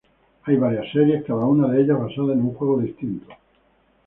Hay varias series, cada una de ellas basada en un juego distinto.